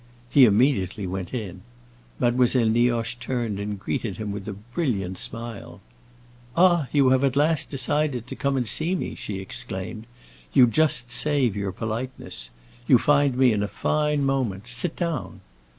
He immediately went in. Mademoiselle Nioche turned and greeted him with a brilliant smile. "Ah, you have at last decided to come and see me?" she exclaimed. "You just save your politeness. You find me in a fine moment. Sit down."